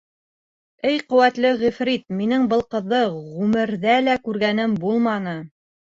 — Эй ҡеүәтле ғифрит, минең был ҡыҙҙы ғүмерҙә лә күргәнем булманы.